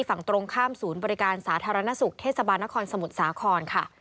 ฝั่งตรงข้ามศูนย์บริการสาธารณสุขเทศบาลนครสมุทรสาครค่ะ